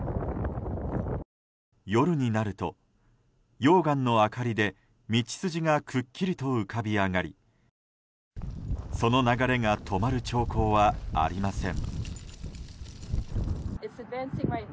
夜になると、溶岩の明かりで道筋がくっきりと浮かび上がりその流れが止まる兆候はありません。